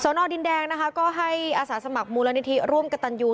นอดินแดงนะคะก็ให้อาสาสมัครมูลนิธิร่วมกับตันยู